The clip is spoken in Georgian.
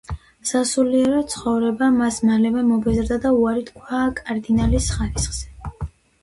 სასულიერო ცხოვრება მას მალევე მობეზრდა და უარი თქვა კარდინალის ხარისხზე.